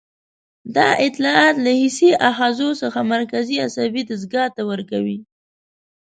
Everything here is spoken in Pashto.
دا اطلاعات له حسي آخذو څخه مرکزي عصبي دستګاه ته ورکوي.